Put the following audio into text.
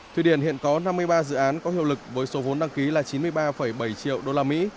thụy điển hiện có năm mươi ba dự án có hiệu lực với số vốn đăng ký là chín mươi ba bảy triệu usd